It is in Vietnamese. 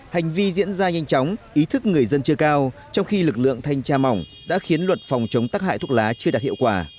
hành vi diễn ra nhanh chóng ý thức người dân chưa cao trong khi lực lượng thanh tra mỏng đã khiến luật phòng chống tắc hại thuốc lá chưa đạt hiệu quả